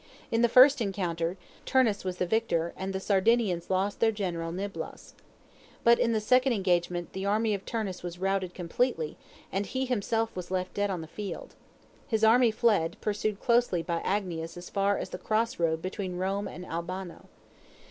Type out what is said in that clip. In the first encounter, Turnus was the victor, and the Sardinians lost their general Niblos. But in the second engagement the army of Turnus was routed completely, and he himself was left dead on the field. His army fled, pursued closely by Agnias as far as the cross road between Rome and Albano.